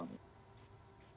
terima kasih pak asanul